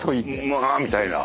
あ！みたいな。